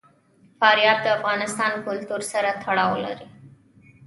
فاریاب د افغان کلتور سره تړاو لري.